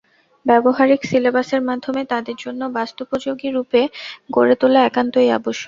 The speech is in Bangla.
ব্যবহারিক সিলেবাসের মাধ্যমে তাদের জন্য বাস্তবোপযোগী রূপে গড়ে তোলা একান্তই আবশ্যক।